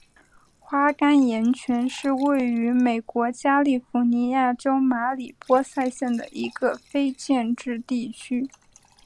花岗岩泉是位于美国加利福尼亚州马里波萨县的一个非建制地区。